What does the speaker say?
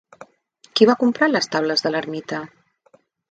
Qui va comprar les taules de l'ermita?